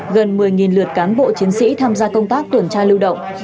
gần một mươi lượt cán bộ chiến sĩ tham gia công tác tuần tra lưu động